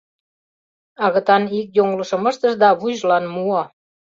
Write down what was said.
Агытан ик йоҥылышым ыштыш да вуйжылан муо.